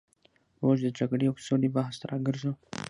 اوس د جګړې او سولې بحث ته راګرځو.